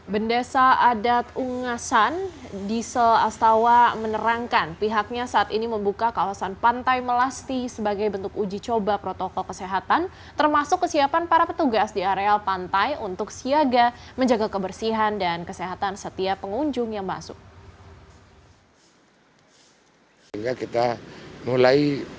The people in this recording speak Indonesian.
bendesa adat ungasan diesel astawa menerangkan pihaknya saat ini membuka kawasan pantai melasti sebagai bentuk uji coba protokol kesehatan termasuk kesiapan para petugas di areal pantai untuk siaga menjaga kebersihan dan kesehatan setiap hari